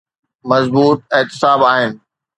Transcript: مضبوط اعصاب آهن.